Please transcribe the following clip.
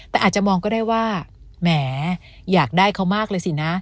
แต่อาจจะมองก็ได้ว่าแหมอยากได้เขามากเลยสินะ